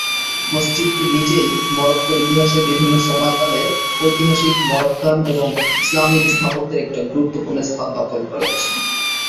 মসজিদটি নিজেই মরক্কোর ইতিহাসের বিভিন্ন সময়কালের ঐতিহাসিক মরোক্কান এবং ইসলামিক স্থাপত্যের একটি গুরুত্বপূর্ণ স্থান দখল করে আছে।